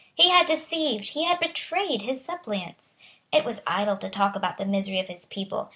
He had deceived, he had betrayed his suppliants. It was idle to talk about the misery of his people.